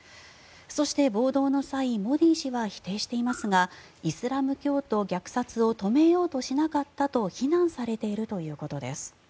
そして暴動の際モディ氏は否定していますがイスラム教徒虐殺を止めようとしなかったと非難されているということです。